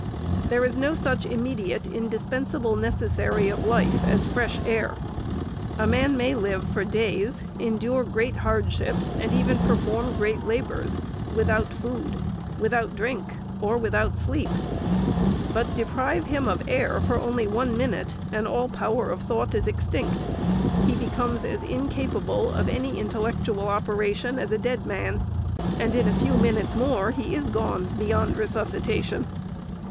There is no such immediate, in dispensable necessary of life as fresh air. A man may live for days, endure great hardships, and even perform great labors, without food, without drink, or without sleep ; but deprive him of air for only one minute, and all power of thought is extinct ; he becomes as incapable of any intellectual operation as a dead man, and in a few minutes more he is gone beyond resuscitation.